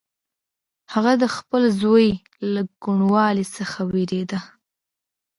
هغه د خپل زوی له کوڼوالي څخه وېرېده.